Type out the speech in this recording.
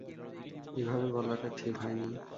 এভাবে বলাটা ঠিক হয়নি।